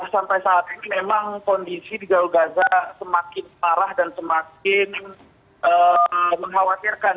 sampai saat ini memang kondisi di jalur gaza semakin parah dan semakin mengkhawatirkan